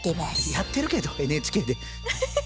やってるけどＮＨＫで。